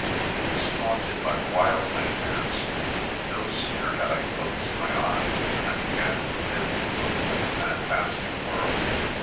It was haunted by wild nightmares. No sooner had I closed my eyes than I began to live and move in a fantastic world.